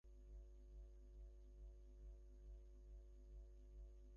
মাঝে মাঝে অবশ্যি গল্প-উপন্যাসও বেশ সিরিয়াস হয়।